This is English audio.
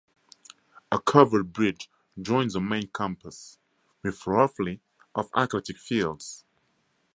A covered bridge joins the main campus with roughly of athletic fields.